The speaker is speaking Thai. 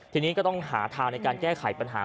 ทีนี้ก็ต้องหาทางในการแก้ไขปัญหา